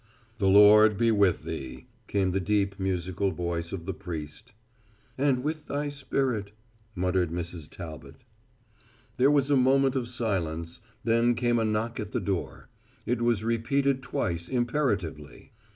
"The Lord be with thee " came the deep musical voice of the priest. "And with thy spirit," muttered Mrs. Talbot. There was a moment of silence, then came a knock at the door. It was repeated twice, imperatively.